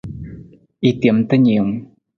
I tem ta niiwung.